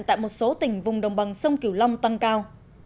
tại một số tỉnh vùng đồng bằng sông kiều long tăng cao